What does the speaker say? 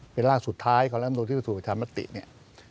เป็นร่างสุดท้ายของลักษณะเธอสู่ประชามาติเนี่ย